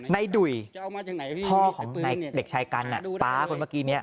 ดุ่ยพ่อของเด็กชายกันป๊าคนเมื่อกี้นี้